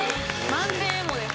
満点エモです。